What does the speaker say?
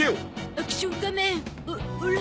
アクション仮面オオラ。